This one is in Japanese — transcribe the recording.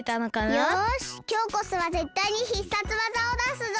よしきょうこそはぜったいに必殺技をだすぞ！